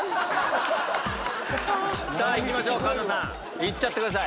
さぁ行きましょう環奈さん行っちゃってください。